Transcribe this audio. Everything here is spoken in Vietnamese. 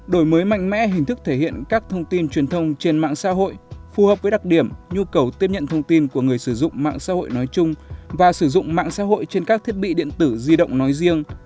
đổi mới mạnh mẽ hình thức thể hiện các thông tin truyền thông trên mạng xã hội phù hợp với đặc điểm nhu cầu tiếp nhận thông tin của người sử dụng mạng xã hội nói chung và sử dụng mạng xã hội trên các thiết bị điện tử di động nói riêng